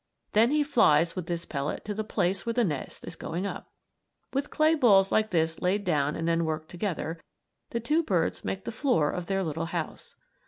Then he flies with this pellet to the place where the nest is going up. With clay balls like this laid down and then worked together, the two birds make the floor of their little house.